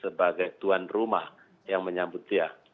sebagai tuan rumah yang menyambut dia